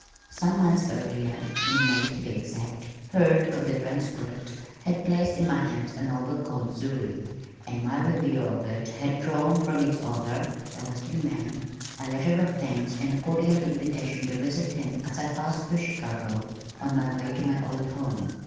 Some months earlier, in May, to be exact, Hurd of the Transcript had placed in my hands a novel called Zury and my review of it had drawn from its author, a western man, a letter of thanks and a cordial invitation to visit him as I passed through Chicago, on my way to my old home.